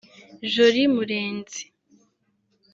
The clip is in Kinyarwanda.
Jolie Murenzi